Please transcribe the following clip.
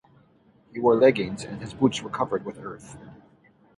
He wore leggings, and his boots were covered with earth.